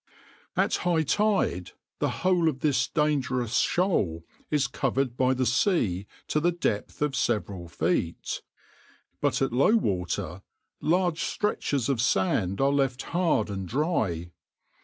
"\par At high tide the whole of this dangerous shoal is covered by the sea to the depth of several feet; but at low water large stretches of sand are left hard and dry.